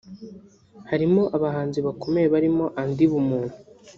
harimo; abahanzi bakomeye barimo Andy bumuntu